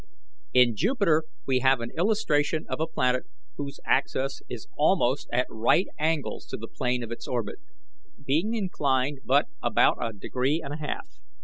"In Jupiter we have an illustration of a planet whose axis is almost at right angles to the plane of its orbit, being inclined but about a degree and a half.